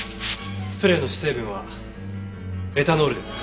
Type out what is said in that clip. スプレーの主成分はエタノールです。